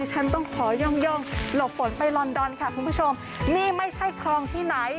ฉันต้องขอย่องหลบฝนไปลอนดอนค่ะคุณผู้ชมนี่ไม่ใช่คลองที่ไหน